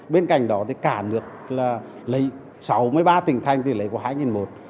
bên cạnh đó thì cả nước là lấy sáu mươi ba tỉnh thành thì lấy có hai một